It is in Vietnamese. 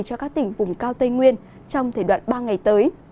cho các tỉnh vùng cao tây nguyên trong thời đoạn ba ngày tới